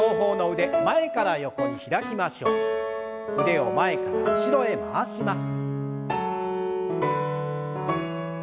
腕を前から後ろへ回します。